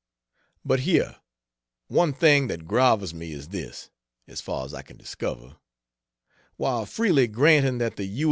But here one thing that grovels me is this: as far as I can discover while freely granting that the U.